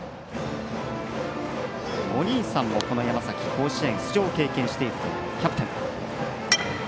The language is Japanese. お兄さんも山崎甲子園出場を経験しているキャプテン。